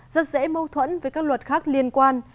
rất dễ mâu thuẫn với các luật khác liên quan